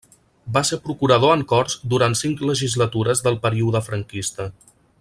Va ser Procurador en Corts durant cinc legislatures del període franquista.